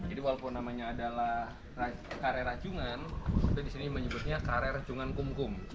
jadi walaupun namanya adalah kare ranjungan tapi di sini menyebutnya kare ranjungan kum kum